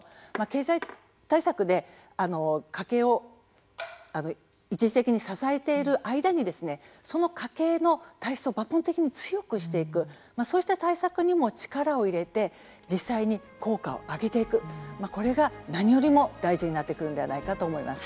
経済対策で家計を一時的に支えている間にその家計の体質を抜本的に強くしていくそうした対策にも力を入れて実際に効果を上げていく、これが何よりも大事になってくるのではないかと思います。